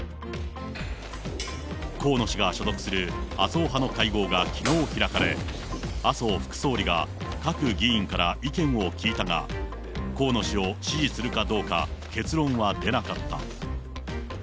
河野氏が所属する麻生派の会合がきのう開かれ、麻生副総理が、各議員から意見を聞いたが、河野氏を支持するかどうか、結論は出なかった。